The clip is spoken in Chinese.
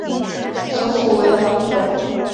首府为朗布隆。